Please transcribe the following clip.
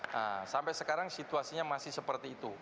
nah sampai sekarang situasinya masih seperti itu